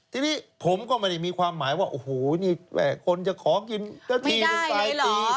ทีนี้ผมก็ไม่ได้มีความหมายว่าโอ้โหนี่คนจะขอกินสักทีจนปลายปี